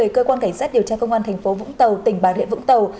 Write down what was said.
cơ quan cảnh sát điều tra công an thành phố vũng tàu tỉnh bà rịa vũng tàu